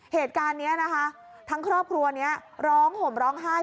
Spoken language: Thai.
เหตุการณ์นี้นะคะทั้งครอบครัวนี้ร้องห่มร้องไห้